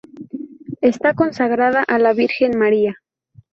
Está consagrada a la Virgen María.